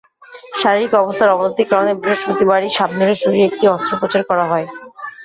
শারীরিক অবস্থার অবনতির কারণে বৃহস্পতিবারই শাবনূরের শরীরে একটি অস্ত্রোপচার করা হয়।